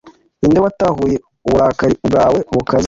Ni nde watahuye uburakari bwawe bukaze